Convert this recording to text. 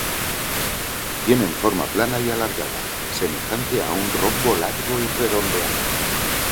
Tienen forma plana y alargada, semejante a una rombo largo y redondeado.